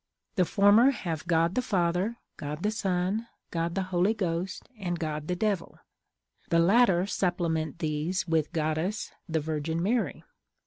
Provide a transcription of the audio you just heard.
The former have God the Father, God the Son, God the Holy Ghost, and God the Devil; the latter supplement these with Goddess the Virgin Mary.